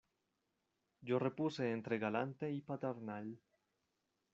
yo repuse entre galante y paternal: